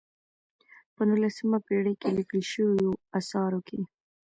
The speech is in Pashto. په نولسمه پېړۍ کې لیکل شویو آثارو کې.